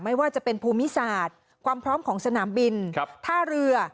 ไม่ว่าจะเป็นภูมิศาสตร์ความพร้อมของสนามบินท่าเรือ